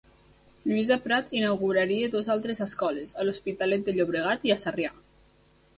Lluïsa Prat inauguraria dues altres escoles, a l'Hospitalet de Llobregat i a Sarrià.